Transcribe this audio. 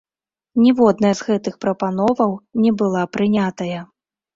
Ніводная з гэтых прапановаў не была прынятая.